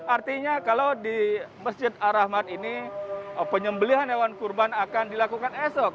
artinya kalau di masjid ar rahmat ini penyembelian hewan kurban akan dilakukan esok